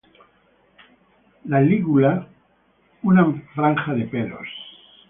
La lígula una franja de pelos.